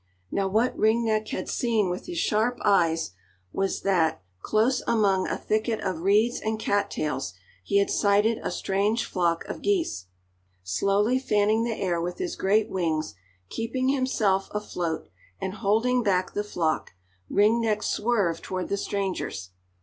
Now what Ring Neck had seen with his sharp eyes was that, close among a thicket of reeds and cat tails, he had sighted a strange flock of geese. Slowly fanning the air with his great wings, keeping himself afloat, and holding back the flock, Ring Neck swerved toward the strangers.